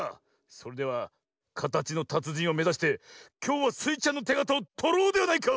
それではかたちのたつじんをめざしてきょうはスイちゃんのてがたをとろうではないか！